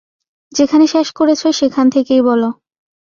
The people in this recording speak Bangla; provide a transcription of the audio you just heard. যেখানে শেষ করেছ, সেখান থেকেই বলো।